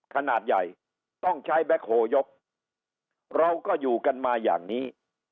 ขนาดใหญ่ต้องใช้แบ็คโฮยกเราก็อยู่กันมาอย่างนี้